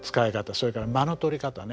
それから間の取り方ね。